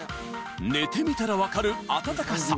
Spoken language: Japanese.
寝てみたら分かる暖かさ